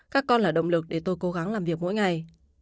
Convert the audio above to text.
các con là động lực để tôi cố gắng làm việc mỗi ngày